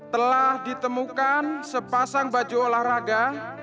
telah ditemukan sepasang baju olahraga